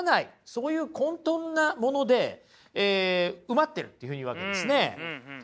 そういう混とんなもので埋まっているというふうに言うわけですね。